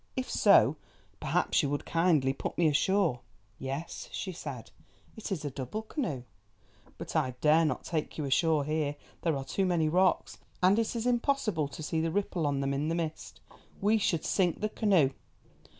If so, perhaps you would kindly put me ashore?" "Yes," she said, "it is a double canoe. But I dare not take you ashore here; there are too many rocks, and it is impossible to see the ripple on them in this mist. We should sink the canoe.